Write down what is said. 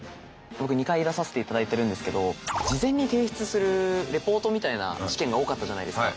僕２回出させていただいてるんですけど事前に提出するレポートみたいな試験が多かったじゃないですか。